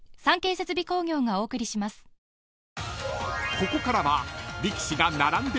［ここからは］